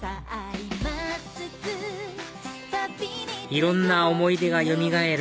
いろんな思い出がよみがえる